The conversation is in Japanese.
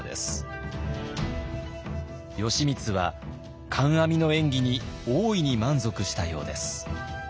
義満は観阿弥の演技に大いに満足したようです。